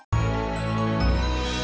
tante aku sudah selesai